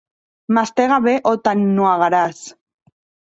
Mastega bé o t'ennuegaràs.